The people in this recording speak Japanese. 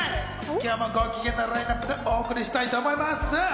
今日も、ご機嫌なラインナップでお送りしたいと思います。